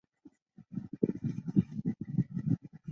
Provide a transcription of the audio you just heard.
碑记桥位于重庆市涪陵区蒲江乡碑记关村。